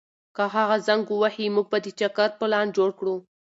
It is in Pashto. که هغه زنګ ووهي، موږ به د چکر پلان جوړ کړو.